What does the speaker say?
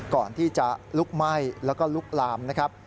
ก่อนที่จะลุกไหม้แล้วก็ลุกลามนะครับ